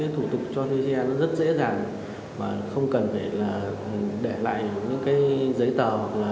thủ tục cho thuê xe rất dễ dàng không cần để lại giấy tờ